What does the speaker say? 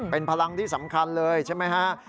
เป็นพลังที่สำคัญเลยใช่ไหมฮะ